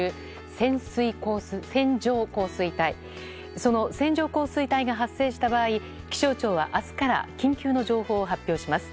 その線状降水帯が発生した場合気象庁は明日から緊急の情報を発表します。